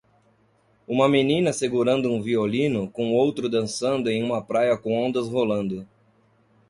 Uma menina segurando um violino com outro dançando em uma praia com ondas rolando.